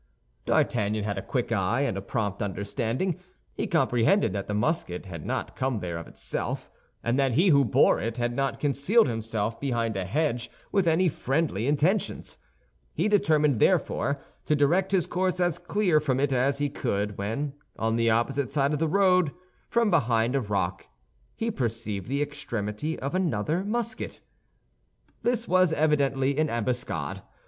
D'Artagnan had a quick eye and a prompt understanding. He comprehended that the musket had not come there of itself, and that he who bore it had not concealed himself behind a hedge with any friendly intentions. He determined, therefore, to direct his course as clear from it as he could when, on the opposite side of the road, from behind a rock, he perceived the extremity of another musket. This was evidently an ambuscade.